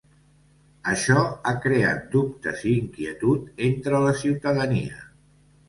Això ha creat dubtes i inquietud entre la ciutadania.